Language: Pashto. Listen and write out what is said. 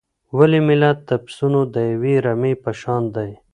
ولي ملت د پسونو د یوې رمې په شان دی؟